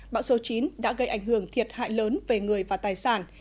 bão số chín đã gây ảnh hưởng thiệt hại lớn về người và tài sản